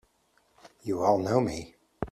You all know me!